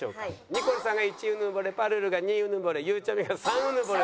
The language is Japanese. ニコルさんが１うぬぼれぱるるが２うぬぼれゆうちゃみが３うぬぼれ。